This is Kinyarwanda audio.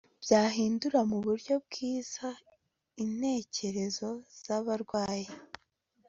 byahindura mu buryo bwiza intekerezo zabarwayi